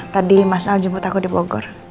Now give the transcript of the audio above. tadi mas al jemput aku di bogor